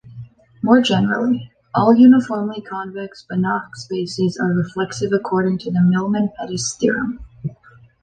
More generally: all uniformly convex Banach spaces are reflexive according to the Milman-Pettis theorem.